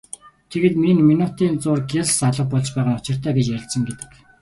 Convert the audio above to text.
Тэгээд минутын зуур гялс алга болж байгаа нь учиртай гэж ярилцсан гэдэг.